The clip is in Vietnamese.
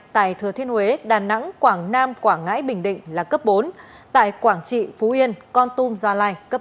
tại thừa thiên huế đà nẵng quảng nam quảng ngãi bình định là cấp bốn tại quảng trị phú yên con tum gia lai cấp bốn